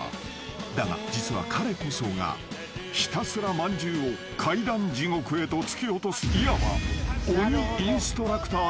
［だが実は彼こそがひたすらまんじゅうを階段地獄へと突き落とすいわば］